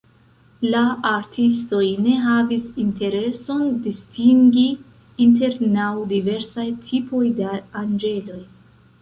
La artistoj ne havis intereson distingi inter naŭ diversaj tipoj da anĝeloj.